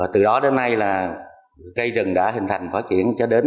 từ đó đến nay cây rừng đã hình thành phát triển